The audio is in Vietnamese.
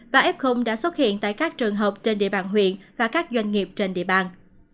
và f đã xuất hiện tại các trường học trên địa bàn huyện và các doanh nghiệp trên địa bàn